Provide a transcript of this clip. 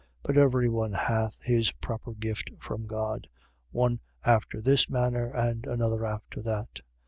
But every one hath his proper gift from God: one after this manner, and another after that.